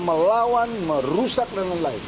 melawan merusak dan lain lain